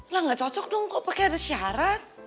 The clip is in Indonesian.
lah ga cocok dong kok pake ada syarat